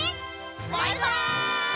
バイバイ！